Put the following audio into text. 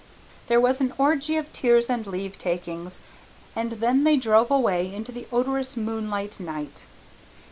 There was an orgy of tears and leavetakings, and then they drove away into the odorous moonlight night.